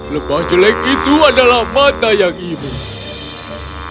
lebah jelek itu adalah mata yang ibu